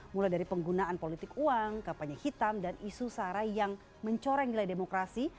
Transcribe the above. mulai dari penggunaan politik uang kapanya hitam dan isu sarai yang mencoreng nilai demokrasi